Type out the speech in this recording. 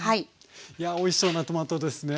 いやあおいしそうなトマトですね。